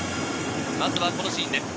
まずはこのシーンです。